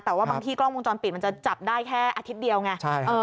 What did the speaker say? แต่ว่าบางที่กล้องวงจรปิดมันจะจับได้แค่อาทิตย์เดียวไง